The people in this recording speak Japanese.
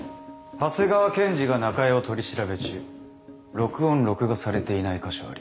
「長谷川検事が中江を取り調べ中録音録画されていない箇所あり。